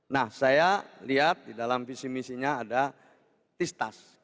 nah saya lihat di dalam visi misinya ada tistas